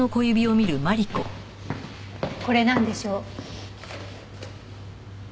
これなんでしょう？